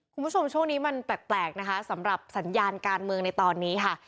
คุณผู้ชมช่วงนี้มันแปลกนะคะสำหรับสัญญาณการเมืองในตอนนี้ค่ะ